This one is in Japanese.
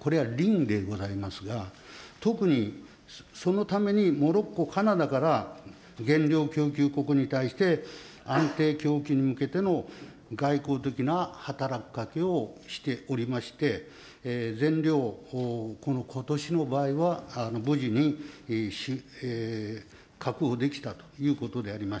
これはリンでございますが、特にそのためにモロッコ、カナダから原料供給国に対して、安定供給に向けての外交的な働きかけをしておりまして、全量、ことしの場合は、無事に確保できたということでございます。